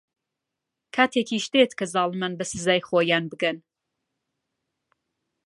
کاتێکیش دێت کە زاڵمان بە سزای خۆیان بگەن.